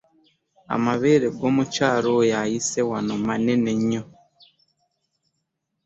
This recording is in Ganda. Amabeere g'omukyala oyo ayise wano manene nnyo.